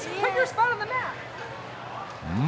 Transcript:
うん？